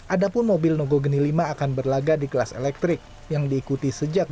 adapun mobil nogogeni lima akan berlaga di kelas elektrik yang diikuti sejak dua ribu dua